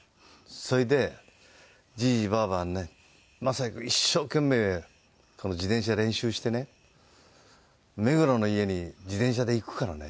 それで「じいじばあばね雅也君一生懸命この自転車練習してね目黒の家に自転車で行くからね」。